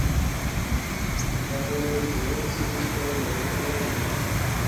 Dabonoje cin no yan be.